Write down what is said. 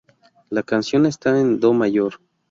La canción está en Do mayor.